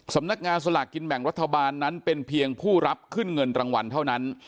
สำนักงานสลากกินแบ่งรัฐบาลนั้นเป็นเพียงผู้รับขึ้นเงินรางวัลเท่านั้น